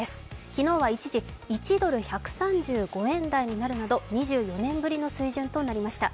昨日は一時１ドル＝１３５円台になるなど２４年ぶりの水準となりました。